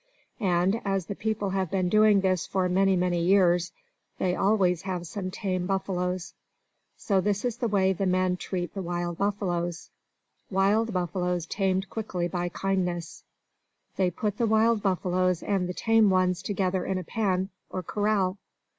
And as the people have been doing this for many, many years, they always have some tame buffaloes. So this is the way the men treat the wild buffaloes: Wild Buffaloes Tamed Quickly by Kindness They put the wild buffaloes and the tame ones together in a pen, or corral.